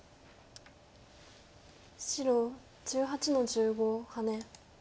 白１８の十五ハネ。